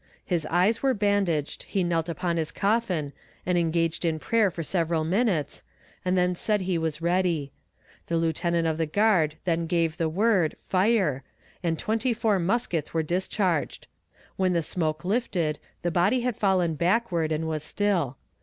His eyes were bandaged, he knelt upon his coffin and engaged in prayer for several minutes, and then said he was ready. The lieutenant of the guard then gave the word, 'Fire!' and twenty four muskets were discharged. When the smoke lifted, the body had fallen backward, and was still.